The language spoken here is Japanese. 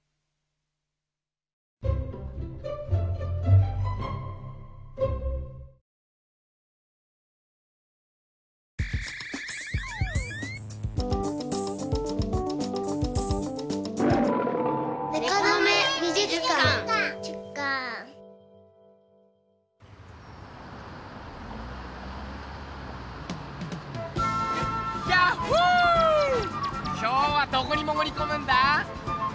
今日はどこにもぐりこむんだ？